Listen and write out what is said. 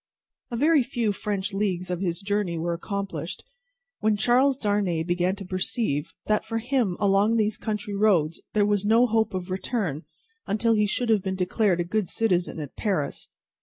A very few French leagues of his journey were accomplished, when Charles Darnay began to perceive that for him along these country roads there was no hope of return until he should have been declared a good citizen at Paris.